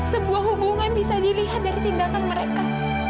sebuah hubungan bisa dilihat dari tindakan mereka